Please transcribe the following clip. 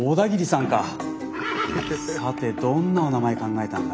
さてどんなおなまえ考えたんだ？